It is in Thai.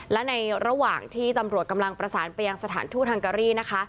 และในระหว่างที่ตำรวจกำลังประสานไปยังสถานทูตฮังการีนะคะ